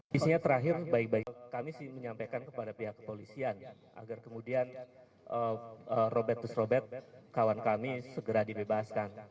kami ingin menyampaikan kepada pihak kepolisian agar kemudian robertus robert kawan kami segera dibebaskan